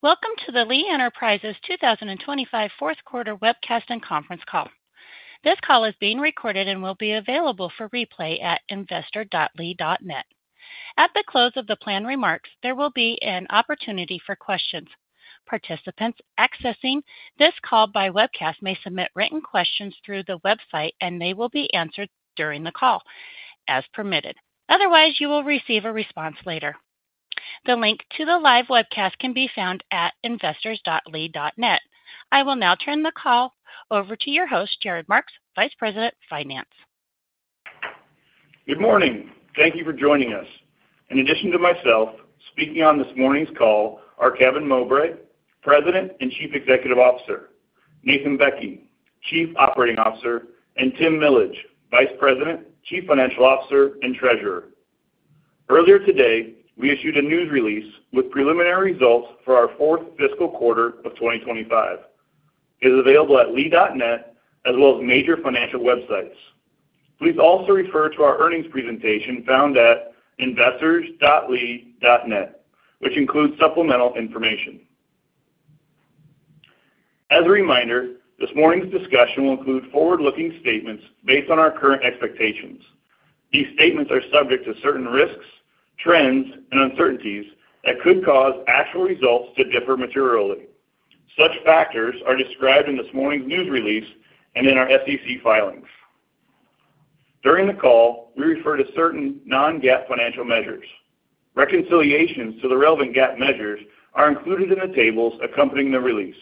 Welcome to the Lee Enterprises 2025 Fourth Quarter Webcast and Conference Call. This call is being recorded and will be available for replay at investor.lee.net. At the close of the planned remarks, there will be an opportunity for questions. Participants accessing this call by webcast may submit written questions through the website, and they will be answered during the call as permitted. Otherwise, you will receive a response later. The link to the live webcast can be found at investors.lee.net. I will now turn the call over to your host, Jared Marks, Vice President, Finance. Good morning. Thank you for joining us. In addition to myself speaking on this morning's call, are Kevin Mowbray, President and Chief Executive Officer; Nathan Bekke, Chief Operating Officer; and Tim Millage, Vice President, Chief Financial Officer, and Treasurer. Earlier today, we issued a news release with preliminary results for our fourth fiscal quarter of 2025. It is available at lee.net as well as major financial websites. Please also refer to our earnings presentation found at investors.lee.net, which includes supplemental information. As a reminder, this morning's discussion will include forward-looking statements based on our current expectations. These statements are subject to certain risks, trends, and uncertainties that could cause actual results to differ materially. Such factors are described in this morning's news release and in our SEC filings. During the call, we refer to certain non-GAAP financial measures. Reconciliations to the relevant GAAP measures are included in the tables accompanying the release.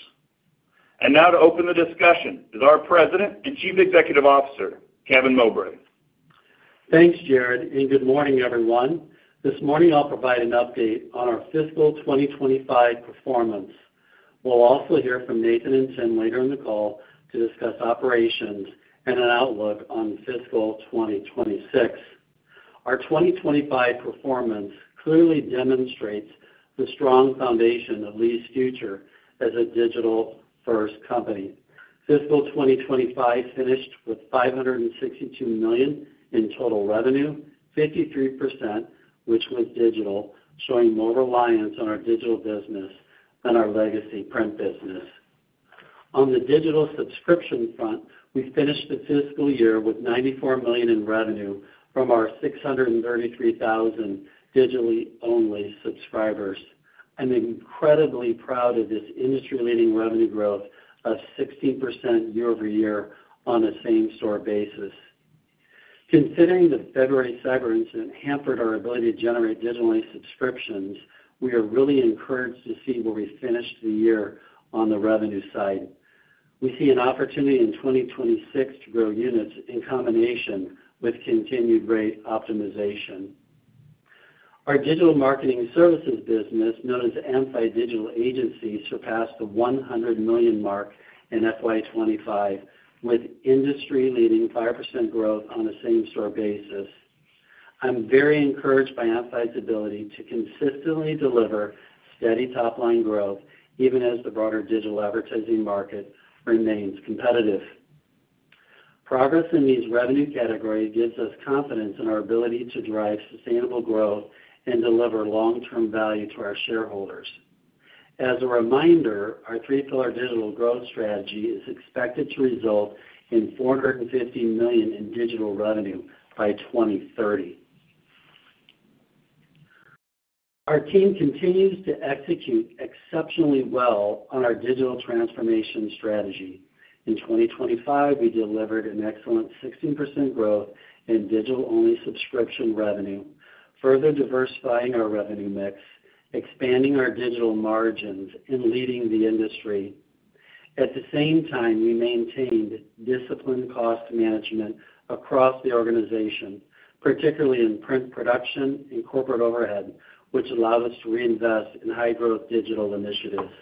Now to open the discussion is our President and Chief Executive Officer, Kevin Mowbray. Thanks, Jared, and good morning, everyone. This morning, I'll provide an update on our fiscal 2025 performance. We'll also hear from Nathan and Tim later in the call to discuss operations and an outlook on fiscal 2026. Our 2025 performance clearly demonstrates the strong foundation of Lee's future as a digital-first company. Fiscal 2025 finished with $562 million in total revenue, 53% of which was digital, showing more reliance on our digital business than our legacy print business. On the digital subscription front, we finished the fiscal year with $94 million in revenue from our 633,000 digital-only subscribers. I'm incredibly proud of this industry-leading revenue growth of 16% YoY on a same-store basis. Considering the February cyber incident hampered our ability to generate digital-only subscriptions, we are really encouraged to see where we finished the year on the revenue side. We see an opportunity in 2026 to grow units in combination with continued rate optimization. Our digital marketing services business, known as Amplified Digital Agency, surpassed the $100 million mark in FY 2025 with industry-leading 5% growth on a same-store basis. I'm very encouraged by Amplified's ability to consistently deliver steady top-line growth, even as the broader digital advertising market remains competitive. Progress in these revenue categories gives us confidence in our ability to drive sustainable growth and deliver long-term value to our shareholders. As a reminder, our three-pillar digital growth strategy is expected to result in $450 million in digital revenue by 2030. Our team continues to execute exceptionally well on our digital transformation strategy. In 2025, we delivered an excellent 16% growth in digital-only subscription revenue, further diversifying our revenue mix, expanding our digital margins, and leading the industry. At the same time, we maintained disciplined cost management across the organization, particularly in print production and corporate overhead, which allowed us to reinvest in high-growth digital initiatives.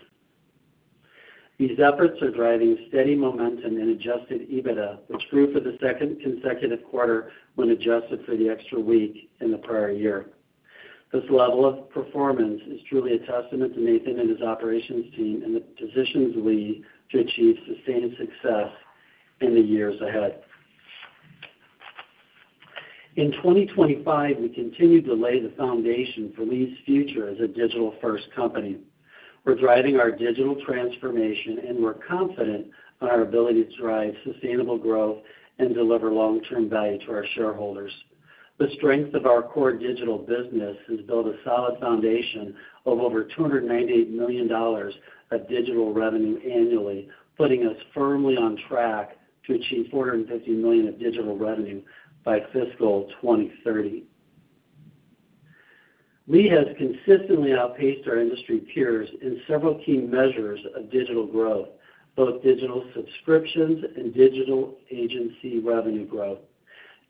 These efforts are driving steady momentum in adjusted EBITDA, which grew for the second consecutive quarter when adjusted for the extra week in the prior year. This level of performance is truly a testament to Nathan and his operations team and the decisions Lee to achieve sustained success in the years ahead. In 2025, we continue to lay the foundation for Lee's future as a digital-first company. We're driving our digital transformation, and we're confident in our ability to drive sustainable growth and deliver long-term value to our shareholders. The strength of our core digital business has built a solid foundation of over $298 million of digital revenue annually, putting us firmly on track to achieve $450 million of digital revenue by fiscal 2030. Lee has consistently outpaced our industry peers in several key measures of digital growth, both digital subscriptions and digital agency revenue growth.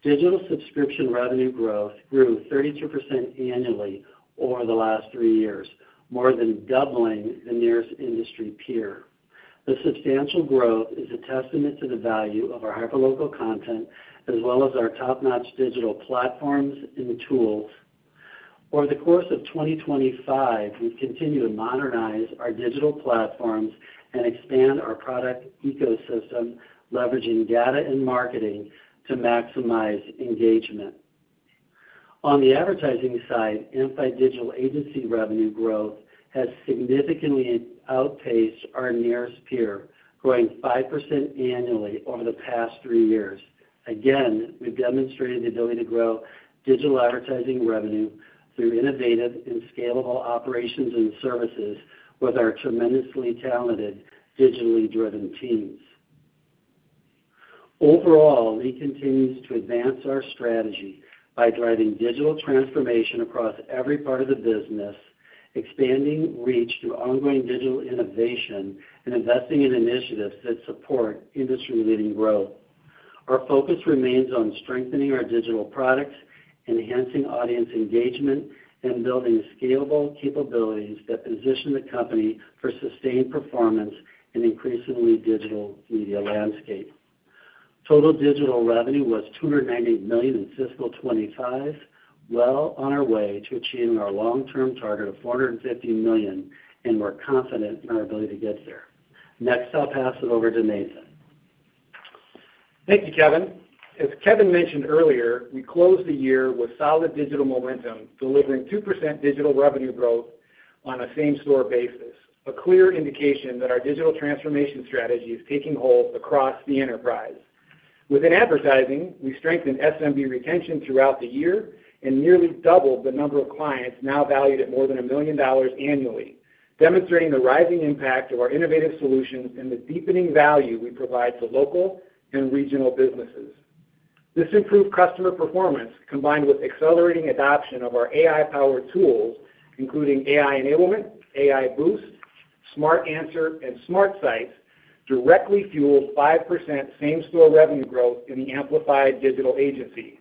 Digital subscription revenue growth grew 32% annually over the last three years, more than doubling the nearest industry peer. The substantial growth is a testament to the value of our hyperlocal content as well as our top-notch digital platforms and tools. Over the course of 2025, we continue to modernize our digital platforms and expand our product ecosystem, leveraging data and marketing to maximize engagement. On the advertising side, Amplified Digital Agency revenue growth has significantly outpaced our nearest peer, growing 5% annually over the past three years. Again, we've demonstrated the ability to grow digital advertising revenue through innovative and scalable operations and services with our tremendously talented, digitally-driven teams. Overall, Lee continues to advance our strategy by driving digital transformation across every part of the business, expanding reach through ongoing digital innovation, and investing in initiatives that support industry-leading growth. Our focus remains on strengthening our digital products, enhancing audience engagement, and building scalable capabilities that position the company for sustained performance and increasingly digital media landscape. Total digital revenue was $298 million in fiscal 2025, well on our way to achieving our long-term target of $450 million, and we're confident in our ability to get there. Next, I'll pass it over to Nathan. Thank you, Kevin. As Kevin mentioned earlier, we closed the year with solid digital momentum, delivering 2% digital revenue growth on a same-store basis, a clear indication that our digital transformation strategy is taking hold across the enterprise. Within advertising, we strengthened SMB retention throughout the year and nearly doubled the number of clients now valued at more than $1 million annually, demonstrating the rising impact of our innovative solutions and the deepening value we provide to local and regional businesses. This improved customer performance, combined with accelerating adoption of our AI-powered tools, including AI Enablement, AI Boost, Smart Answer, and SmartSites, directly fueled 5% same-store revenue growth in the Amplified Digital Agency,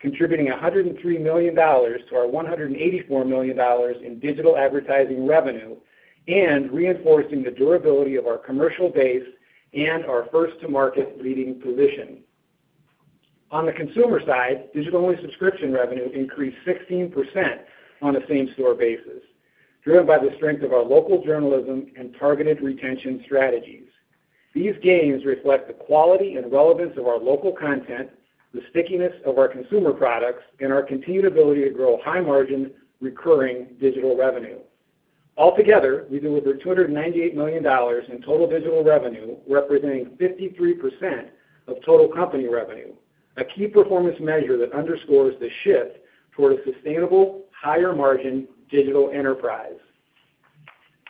contributing $103 million to our $184 million in digital advertising revenue and reinforcing the durability of our commercial base and our first-to-market leading position. On the consumer side, digital-only subscription revenue increased 16% on a same-store basis, driven by the strength of our local journalism and targeted retention strategies. These gains reflect the quality and relevance of our local content, the stickiness of our consumer products, and our continued ability to grow high-margin, recurring digital revenue. Altogether, we delivered $298 million in total digital revenue, representing 53% of total company revenue, a key performance measure that underscores the shift toward a sustainable, higher-margin digital enterprise.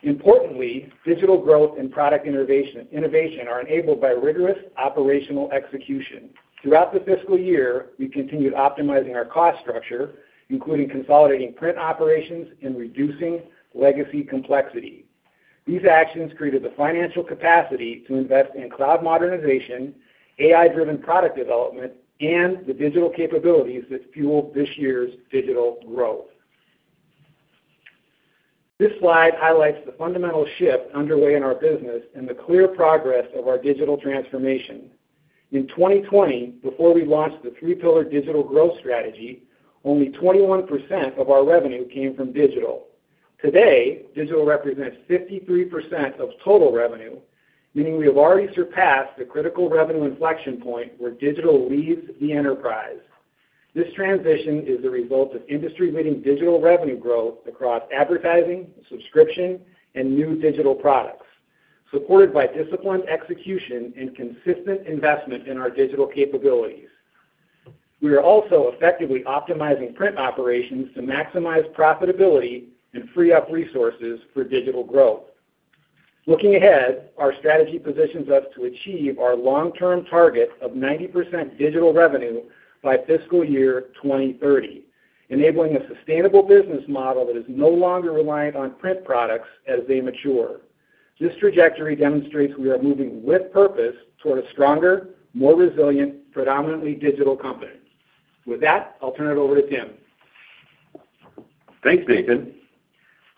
Importantly, digital growth and product innovation are enabled by rigorous operational execution. Throughout the fiscal year, we continued optimizing our cost structure, including consolidating print operations and reducing legacy complexity. These actions created the financial capacity to invest in cloud modernization, AI-driven product development, and the digital capabilities that fueled this year's digital growth. This slide highlights the fundamental shift underway in our business and the clear progress of our digital transformation. In 2020, before we launched the three-pillar digital growth strategy, only 21% of our revenue came from digital. Today, digital represents 53% of total revenue, meaning we have already surpassed the critical revenue inflection point where digital leads the enterprise. This transition is the result of industry-leading digital revenue growth across advertising, subscription, and new digital products, supported by disciplined execution and consistent investment in our digital capabilities. We are also effectively optimizing print operations to maximize profitability and free up resources for digital growth. Looking ahead, our strategy positions us to achieve our long-term target of 90% digital revenue by fiscal year 2030, enabling a sustainable business model that is no longer reliant on print products as they mature. This trajectory demonstrates we are moving with purpose toward a stronger, more resilient, predominantly digital company. With that, I'll turn it over to Tim. Thanks, Nathan.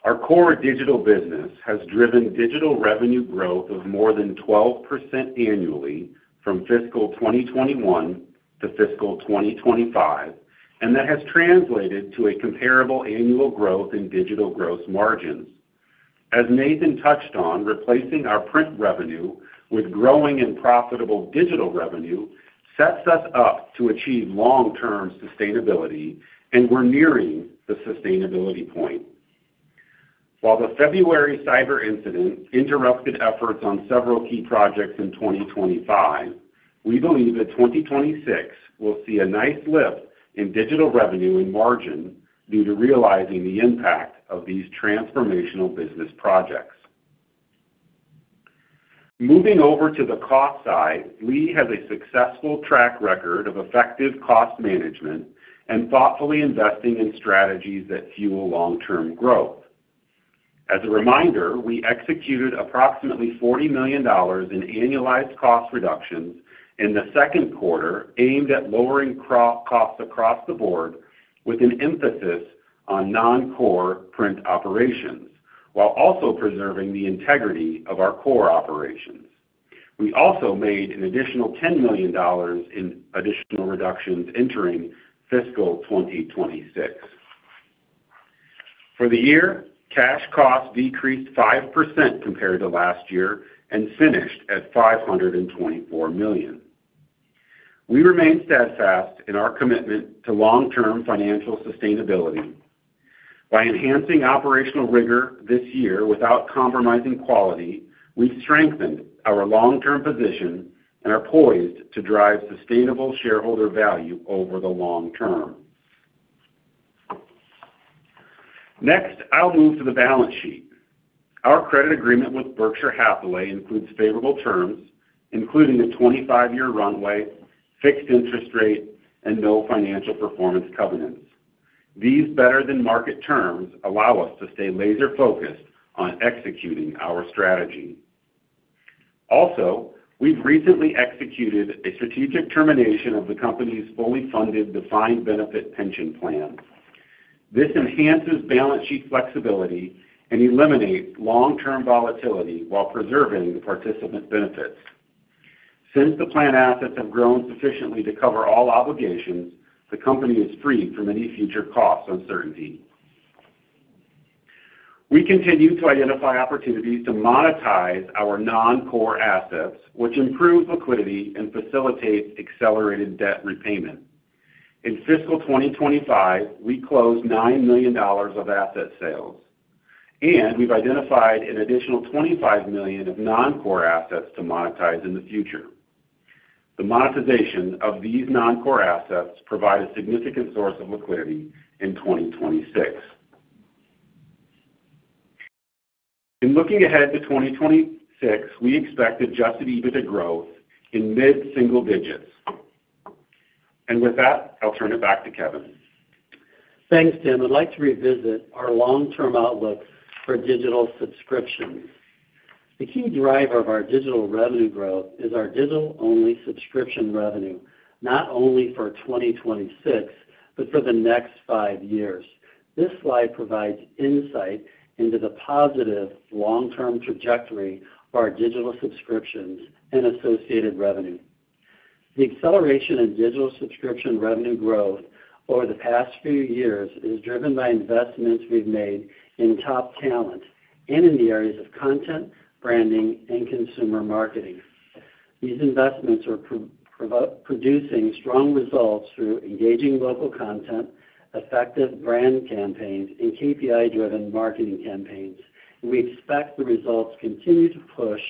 Our core digital business has driven digital revenue growth of more than 12% annually from fiscal 2021 to fiscal 2025, and that has translated to a comparable annual growth in digital gross margins. As Nathan touched on, replacing our print revenue with growing and profitable digital revenue sets us up to achieve long-term sustainability, and we're nearing the sustainability point. While the February cyber incident interrupted efforts on several key projects in 2025, we believe that 2026 will see a nice lift in digital revenue and margin due to realizing the impact of these transformational business projects. Moving over to the cost side, Lee has a successful track record of effective cost management and thoughtfully investing in strategies that fuel long-term growth. As a reminder, we executed approximately $40 million in annualized cost reductions in the second quarter aimed at lowering costs across the board with an emphasis on non-core print operations, while also preserving the integrity of our core operations. We also made an additional $10 million in additional reductions entering fiscal 2026. For the year, cash costs decreased 5% compared to last year and finished at $524 million. We remain steadfast in our commitment to long-term financial sustainability. By enhancing operational rigor this year without compromising quality, we've strengthened our long-term position and are poised to drive sustainable shareholder value over the long term. Next, I'll move to the balance sheet. Our credit agreement with Berkshire Hathaway includes favorable terms, including a 25-year runway, fixed interest rate, and no financial performance covenants. These better-than-market terms allow us to stay laser-focused on executing our strategy. Also, we've recently executed a strategic termination of the company's fully funded defined benefit pension plan. This enhances balance sheet flexibility and eliminates long-term volatility while preserving the participant benefits. Since the plan assets have grown sufficiently to cover all obligations, the company is freed from any future cost uncertainty. We continue to identify opportunities to monetize our non-core assets, which improves liquidity and facilitates accelerated debt repayment. In fiscal 2025, we closed $9 million of asset sales, and we've identified an additional $25 million of non-core assets to monetize in the future. The monetization of these non-core assets provides a significant source of liquidity in 2026. In looking ahead to 2026, we expect adjusted EBITDA growth in mid-single digits. With that, I'll turn it back to Kevin. Thanks, Tim. I'd like to revisit our long-term outlook for digital subscriptions. The key driver of our digital revenue growth is our digital-only subscription revenue, not only for 2026 but for the next five years. This slide provides insight into the positive long-term trajectory of our digital subscriptions and associated revenue. The acceleration in digital subscription revenue growth over the past few years is driven by investments we've made in top talent and in the areas of content, branding, and consumer marketing. These investments are producing strong results through engaging local content, effective brand campaigns, and KPI-driven marketing campaigns. We expect the results continue to push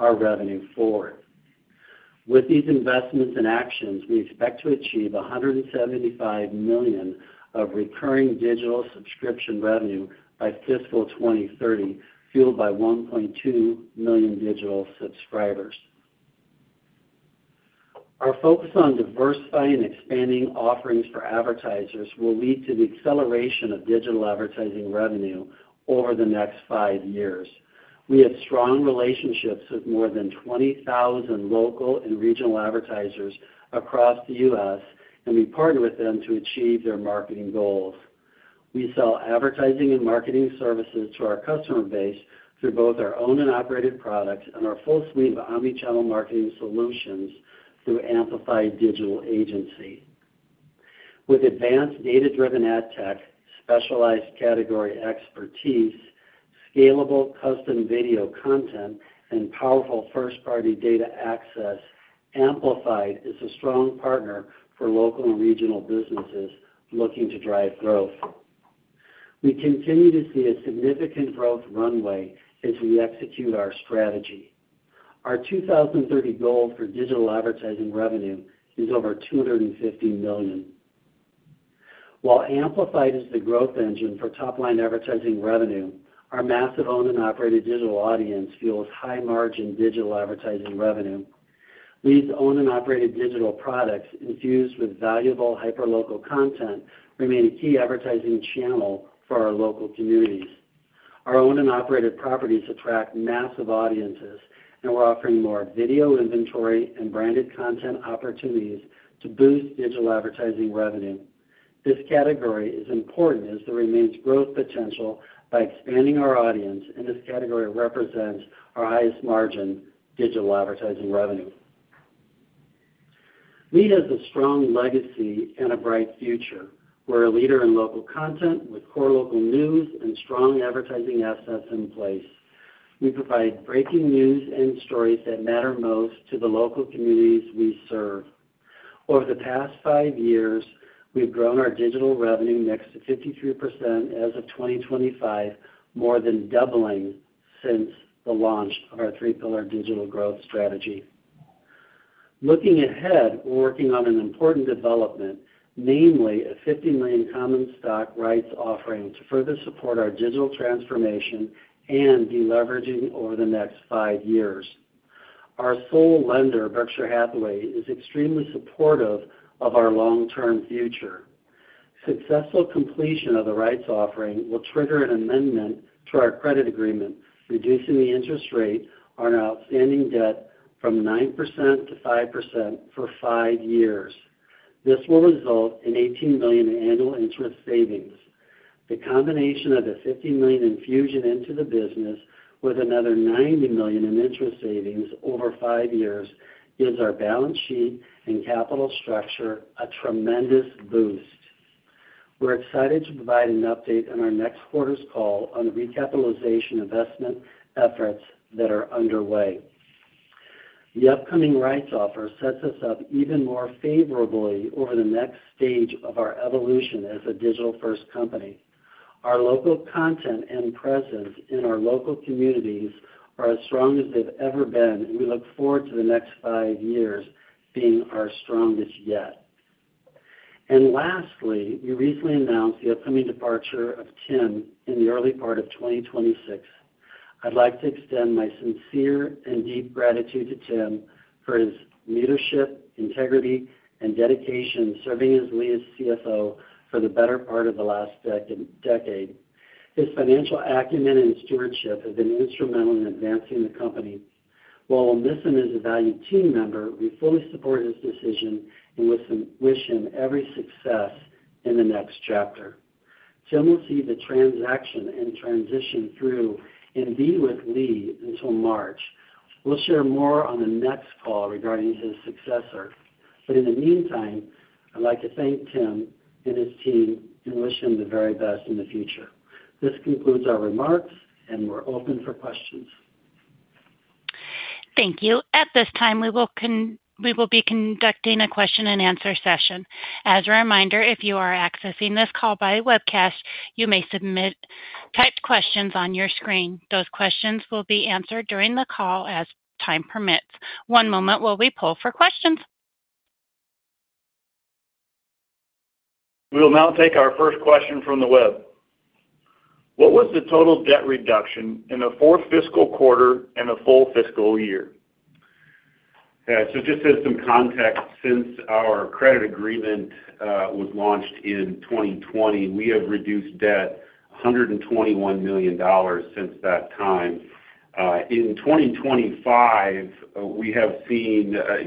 our revenue forward. With these investments and actions, we expect to achieve $175 million of recurring digital subscription revenue by fiscal 2030, fueled by 1.2 million digital subscribers. Our focus on diversifying and expanding offerings for advertisers will lead to the acceleration of digital advertising revenue over the next five years. We have strong relationships with more than 20,000 local and regional advertisers across the U.S., and we partner with them to achieve their marketing goals. We sell advertising and marketing services to our customer base through both our own and operated products and our full suite of omnichannel marketing solutions through Amplified Digital Agency. With advanced data-driven ad tech, specialized category expertise, scalable custom video content, and powerful first-party data access, Amplified is a strong partner for local and regional businesses looking to drive growth. We continue to see a significant growth runway as we execute our strategy. Our 2030 goal for digital advertising revenue is over $250 million. While Amplified is the growth engine for top-line advertising revenue, our massive owned and operated digital audience fuels high-margin digital advertising revenue. Lee's owned and operated digital products, infused with valuable hyperlocal content, remain a key advertising channel for our local communities. Our owned and operated properties attract massive audiences, and we're offering more video inventory and branded content opportunities to boost digital advertising revenue. This category is important as it remains growth potential by expanding our audience, and this category represents our highest margin digital advertising revenue. Lee has a strong legacy and a bright future. We're a leader in local content with core local news and strong advertising assets in place. We provide breaking news and stories that matter most to the local communities we serve. Over the past five years, we've grown our digital revenue next to 53% as of 2025, more than doubling since the launch of our three-pillar digital growth strategy. Looking ahead, we're working on an important development, namely a $50 million common stock rights offering to further support our digital transformation and deleveraging over the next five years. Our sole lender, Berkshire Hathaway, is extremely supportive of our long-term future. Successful completion of the rights offering will trigger an amendment to our credit agreement, reducing the interest rate on our outstanding debt from 9% to 5% for five years. This will result in $18 million in annual interest savings. The combination of the $50 million infusion into the business with another $90 million in interest savings over five years gives our balance sheet and capital structure a tremendous boost. We're excited to provide an update on our next quarter's call on the recapitalization investment efforts that are underway. The upcoming rights offer sets us up even more favorably over the next stage of our evolution as a digital-first company. Our local content and presence in our local communities are as strong as they've ever been, and we look forward to the next five years being our strongest yet. We recently announced the upcoming departure of Tim in the early part of 2026. I'd like to extend my sincere and deep gratitude to Tim for his leadership, integrity, and dedication serving as Lee's CFO for the better part of the last decade. His financial acumen and stewardship have been instrumental in advancing the company. While we'll miss him as a valued team member, we fully support his decision and wish him every success in the next chapter. Tim will see the transaction and transition through and be with Lee until March. We will share more on the next call regarding his successor. In the meantime, I would like to thank Tim and his team and wish him the very best in the future. This concludes our remarks, and we are open for questions. Thank you. At this time, we will be conducting a question and answer session. As a reminder, if you are accessing this call by webcast, you may submit typed questions on your screen. Those questions will be answered during the call as time permits. One moment while we pull for questions. We will now take our first question from the web. What was the total debt reduction in the fourth fiscal quarter and the full fiscal year? Just as some context, since our credit agreement was launched in 2020, we have reduced debt $121 million since that time. In 2025, as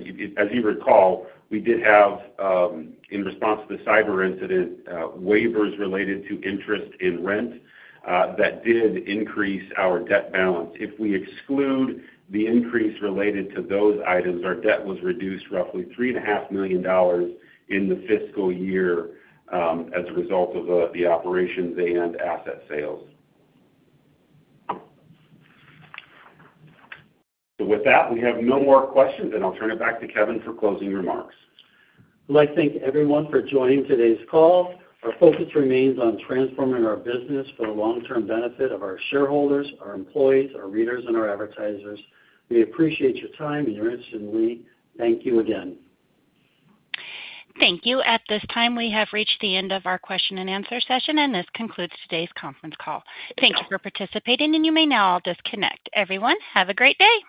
you recall, we did have, in response to the cyber incident, waivers related to interest and rent that did increase our debt balance. If we exclude the increase related to those items, our debt was reduced roughly $3.5 million in the fiscal year as a result of the operations and asset sales. With that, we have no more questions, and I'll turn it back to Kevin for closing remarks. I thank everyone for joining today's call. Our focus remains on transforming our business for the long-term benefit of our shareholders, our employees, our readers, and our advertisers. We appreciate your time and your interest in Lee. Thank you again. Thank you. At this time, we have reached the end of our question and answer session, and this concludes today's conference call. Thank you for participating, and you may now all disconnect. Everyone, have a great day.